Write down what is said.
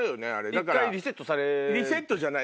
一回リセットされるか。